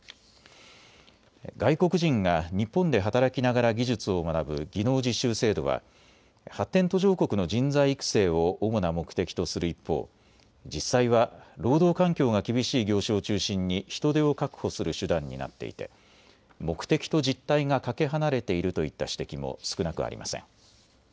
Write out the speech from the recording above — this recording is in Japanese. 外国人が日本で働きながら技術を学ぶ技能実習制度は発展途上国の人材育成を主な目的とする一方、実際は労働環境が厳しい業種を中心に人手を確保する手段になっていて目的と実態がかけ離れているといった指摘も少なくありません。